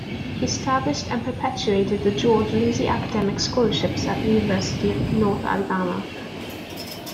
He established and perpetuated the George Lindsey Academic Scholarships at University of North Alabama.